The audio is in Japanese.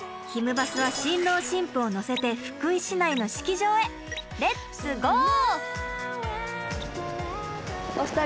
バスは新郎新婦を乗せて福井市内の式場へレッツゴー！